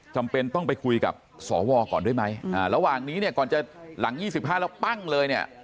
จำเป็นต้องไปคุยกับสวก่อนด้วยไหมระหว่างนี้เนี่ยก่อนจะหลัง๒๕แล้วปั้งเลยเนี่ย